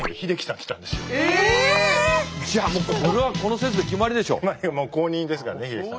じゃあもうこれはこの説で決まりでしょ。